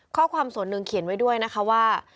ข้อความส่วนหนึ่งเขียนไว้ด้วยนะคะว่า